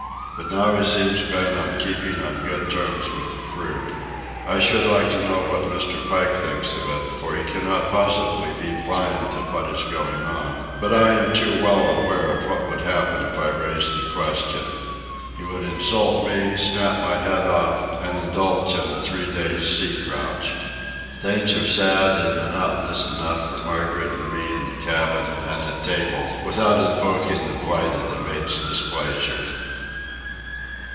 But now he seems bent on keeping on good terms with the crew. I should like to know what Mr. Pike thinks of it, for he cannot possibly be blind to what is going on; but I am too well aware of what would happen if I raised the question. He would insult me, snap my head off, and indulge in a three days' sea grouch. Things are sad and monotonous enough for Margaret and me in the cabin and at table, without invoking the blight of the mate's displeasure.